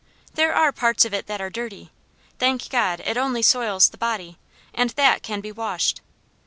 There are parts of it that are dirty. Thank God, it only soils the body, and that can be washed.